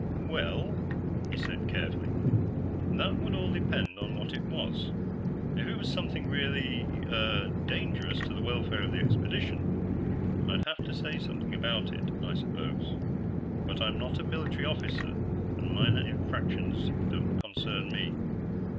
"Well," he said carefully, "that would all depend on what it was. If it was something really ... ah ... dangerous to the welfare of the expedition, I'd have to say something about it, I suppose, but I'm not a military officer, and minor infractions don't concern me."